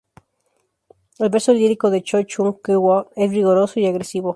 El verso lírico de Cho Chung-kwon es vigoroso y agresivo.